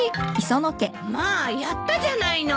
まあやったじゃないの！